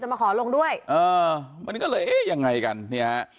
มาขอลงด้วยเออมันก็เลยเอ๊ะยังไงกันเนี่ยฮะ